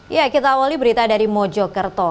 ya kita awali berita dari mojokerto